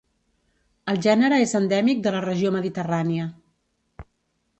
El gènere és endèmic de la regió mediterrània.